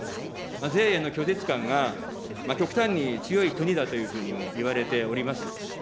税への拒絶感が極端に強い国だというふうにもいわれております。